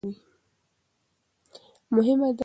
مهمه ده، څوک درسره وي کله ستونزه وي.